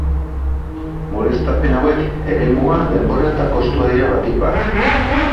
Murriztapen hauek eremua, denbora eta kostua dira, batik bat.